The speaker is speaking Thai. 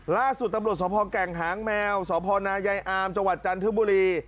ล่าสุดตำรวจสภแก่งหางแมวสพนายายอามจังหวัดจันทบุรี